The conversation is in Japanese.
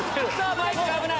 マイクが危ない。